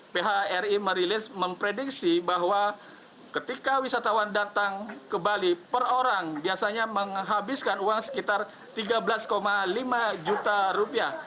phri merilis memprediksi bahwa ketika wisatawan datang ke bali per orang biasanya menghabiskan uang sekitar tiga belas lima juta rupiah